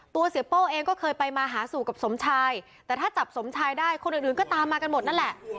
เสียโป้เองก็เคยไปมาหาสู่กับสมชายแต่ถ้าจับสมชายได้คนอื่นก็ตามมากันหมดนั่นแหละ